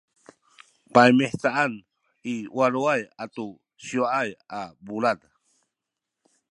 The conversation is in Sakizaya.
paymihcaan i waluay atu siwaay a bulad